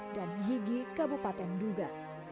dan higi kabupaten duga